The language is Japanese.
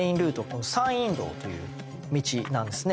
この山陰道という道なんですね。